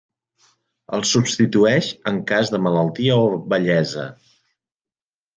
El substitueix en cas de malaltia o vellesa.